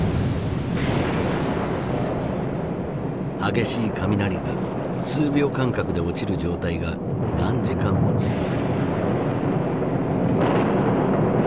激しい雷が数秒間隔で落ちる状態が何時間も続く。